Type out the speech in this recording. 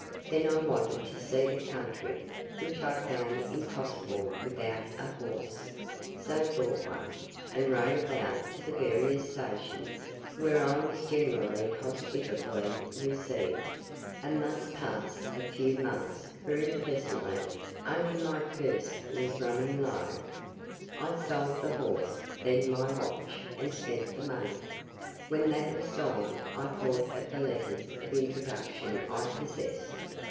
Then I wanted to see the country, which I found impossible without a horse, so bought one, and rode about to the various stations, where I was generally hospitably received, and thus passed a few months very pleasantly, only my purse was running low. I sold the horse, then my watch, and spent the money. When that was gone, I thought of the letters of introduction I possessed.